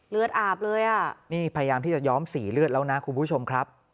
เลือดอาบเลยอ่ะนี่พยายามที่จะย้อมสีเลือดแล้วนะคุณผู้ชมครับ